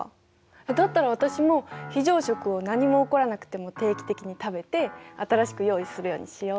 だったら私も非常食を何も起こらなくても定期的に食べて新しく用意するようにしよ。